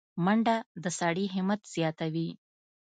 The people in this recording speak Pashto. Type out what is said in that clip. منډه د سړي همت زیاتوي